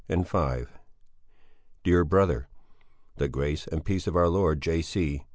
DEAR BROTHER, The grace and peace of our Lord J. C.